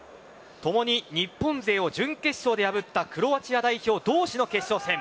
ともに日本勢を準決勝で破ったクロアチア代表同士の決勝戦。